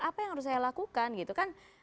apa yang harus saya lakukan